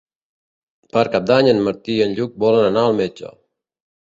Per Cap d'Any en Martí i en Lluc volen anar al metge.